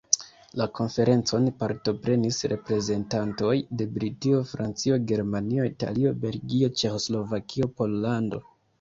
La konferencon partoprenis reprezentantoj de Britio, Francio, Germanio, Italio, Belgio, Ĉeĥoslovakio, Pollando.